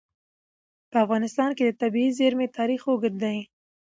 په افغانستان کې د طبیعي زیرمې تاریخ اوږد دی.